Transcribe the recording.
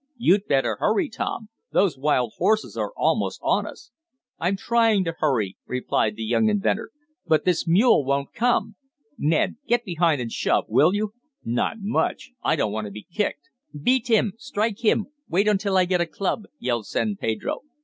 "You'd better hurry, Tom! Those wild horses are almost on us!" "I'm trying to hurry!" replied the young inventor, "but this mule won't come. Ned, get behind and shove, will you?" "Not much! I don't want to be kicked." "Beat him! Strike him! Wait until I get a club!" yelled San Pedro.